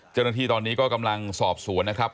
เจ้าหน้าที่ตอนนี้ก็กำลังสอบสวนนะครับ